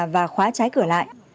và khóa trái cửa lại